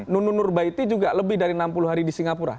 nunu nurbaiti juga lebih dari enam puluh hari di singapura